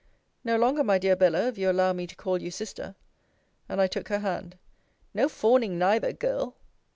No longer, my dear Bella, if you allow me to call you sister. And I took her hand. No fawning neither, Girl!